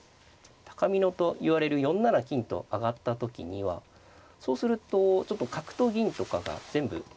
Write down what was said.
高美濃といわれる４七金と上がった時にはそうするとちょっと角と銀とかが全部。